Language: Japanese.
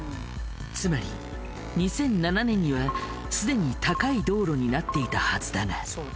つまり２００７年にはすでに高い道路になっていたはずだが。